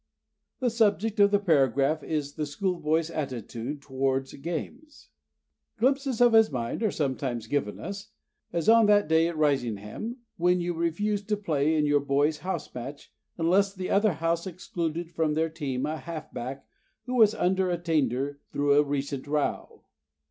The subject of the paragraph is the schoolboy's attitude towards games: "Glimpses of his mind are sometimes given us, as on that day at Risingham when you refused to play in your boys' house match, unless the other house excluded from their team a half back who was under attainder through a recent row.